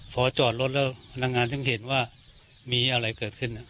พอจอดรถแล้วพนักงานถึงเห็นว่ามีอะไรเกิดขึ้น